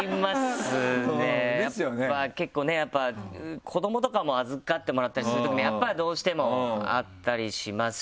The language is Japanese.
結構ねやっぱ子どもとかも預かってもらったりするときもやっぱりどうしてもあったりしますし。